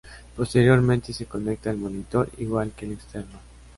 Posteriormente se conecta al monitor, igual que el externo.